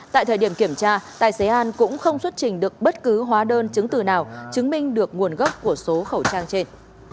tại thời điểm kiểm tra tài xế an cũng không xuất trình được bất cứ hóa đơn chứng từ nào chứng minh được nguồn gốc của số khẩu trang trên